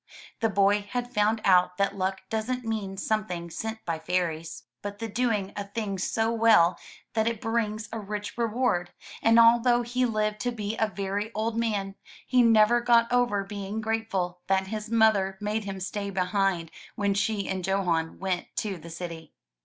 The boy had found out that luck doesn't mean something sent by fairies, but the doing a thing so well that it brings a rich reward, and although he lived to be a very old man, he never got over being grateful that his mother made him stay behind when she and Johan went to the city.